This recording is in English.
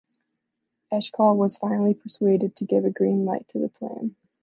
Eshkol was finally persuaded to give a green light to the plan.